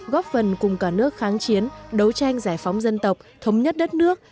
góp phần cùng cả nước kháng chiến đấu tranh giải phóng dân tộc thống nhất đất nước